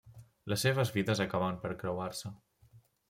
Les seves vides acaben per creuar-se.